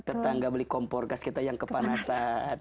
tetangga beli kompor gas kita yang kepanasan